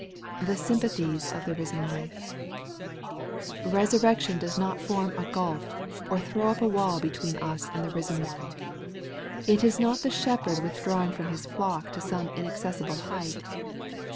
The sympathies of the risen life, Eesurrection does not form a gulf or throw up a wall between ns and the risen One. It is not the Shepherd with drawing from His flock to some inaccessible height.